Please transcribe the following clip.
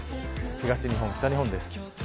東日本、北日本です。